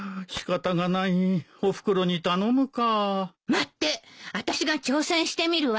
待ってあたしが挑戦してみるわ。